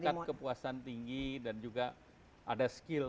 tingkat kepuasan tinggi dan juga ada skill